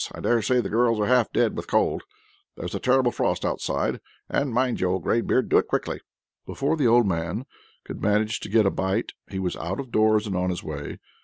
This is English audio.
I daresay the girls are half dead with cold. There's a terrible frost outside! And, mind you, old greybeard, do it quickly!" Before the old man could manage to get a bite he was out of doors and on his way.